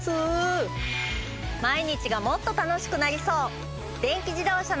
毎日がもっと楽しくなりそう！